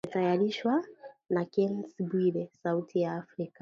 Imetayarishwa na Kennes Bwire, Sauti ya Afrika.